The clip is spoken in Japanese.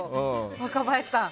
若林さん。